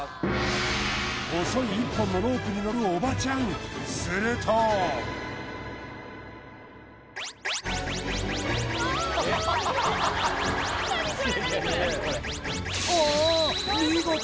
細い一本のロープに乗るおばちゃんするとおお！